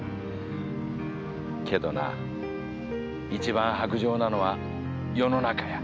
けどな一番薄情なのは世の中や。